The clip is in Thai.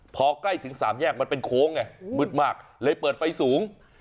พอใกล้ถึงสามแยกมันเป็นโค้งไงมืดมากเลยเปิดไฟสูง